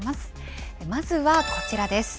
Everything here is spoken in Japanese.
まずはこちらです。